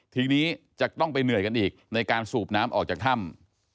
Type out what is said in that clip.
ทีนี้จะต้องไปเหนื่อยกันอีกในการสูบน้ำออกจากถ้ำ